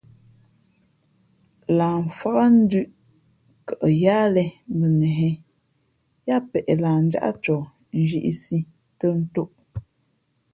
Lah mfák ndʉ̄p kαʼ yáhlēh mbα nehē yáá peʼ nah njáʼ coh nzhīʼsī tᾱ ntōʼ.